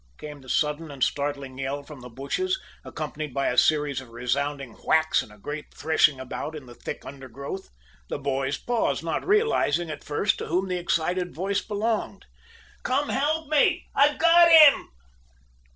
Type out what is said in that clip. came the sudden and startling yell from the bushes, accompanied by a series of resounding whacks and a great threshing about in the thick undergrowth. The boys paused, not realizing, at first, to whom the excited voice belonged. "Come help me! I've got him!"